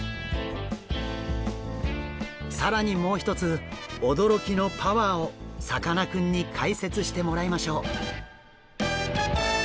更にもう一つ驚きのパワーをさかなクンに解説してもらいましょう。